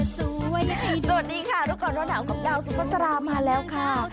สวัสดีค่ะทุกคนวันหนาวของดาวสุภาษามาแล้วค่ะ